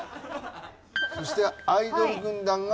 そしてアイドル軍団が。